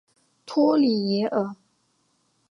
托里耶尔。